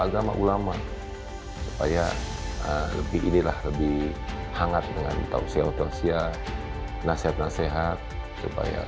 agama ulama supaya lebih inilah lebih hangat dengan tausia tau tausia nasihat nasihat supaya